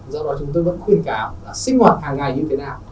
do đó chúng tôi vẫn khuyến cáo là sinh hoạt hàng ngày như thế nào